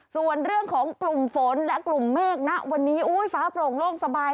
ส่วนเรื่องของกลุ่มฝนและกลุ่มเมฆณวันนี้ฟ้าโปร่งโล่งสบาย